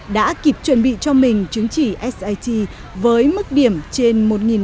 đã kịp chuẩn bị cho mình chứng chỉ sat với mức điểm trên một ba trăm linh